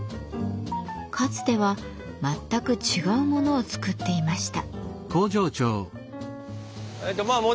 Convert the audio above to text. かつては全く違うものを作っていました。